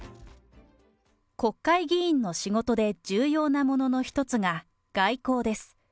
国会議員の仕事で重要なものの一つが外交です。